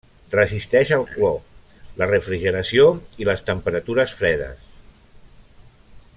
Resisteix al clor, la refrigeració i les temperatures fredes.